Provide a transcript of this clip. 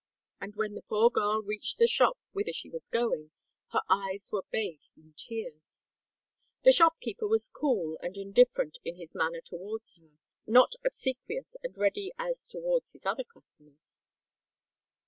And when the poor girl reached the shop whither she was going, her eyes were bathed in tears. The shopkeeper was cool and indifferent in his manner towards her—not obsequious and ready as towards his other customers.